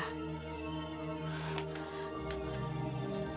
kulitku mau lepas lagi